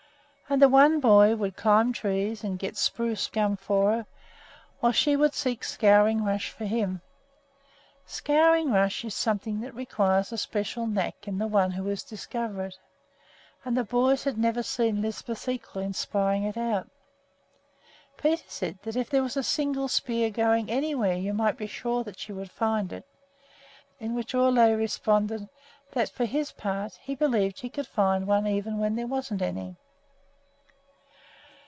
And the one boy would climb trees and get spruce gum for her, while she would seek scouring rush for him. Scouring rush is something that requires a special knack in the one who is to discover it, and the boys had never seen Lisbeth's equal in spying it out. Peter said that if there was a single spear growing anywhere, you might be sure that she would find it; to which Ole jokingly responded that, for his part, he believed she could find one even where there wasn't any!